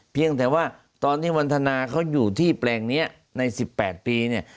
เพียงแต่ว่าตอนที่วันทนาเขาอยู่ที่แปลงนี้ใน๑๘ปีเนี่ย